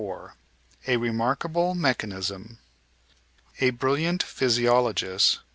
A Remarkable Mechanism A brilliant physiologist.